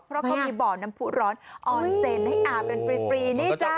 เพราะเขามีบ่อน้ำผู้ร้อนออนเซนให้อาบกันฟรีนี่จ้า